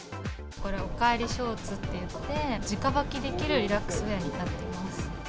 これは、おかえりショーツっていって、じかばきできるリラックスウェアになっています。